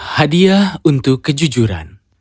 hadiah untuk kejujuran